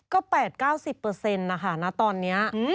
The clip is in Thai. ก็แปดเก้าสิบเปอร์เซ็นต์นะคะณตอนนี้